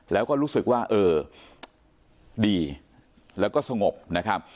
แล้วก็รู้สึกว่าเออดีแล้วก็สงบนะครับ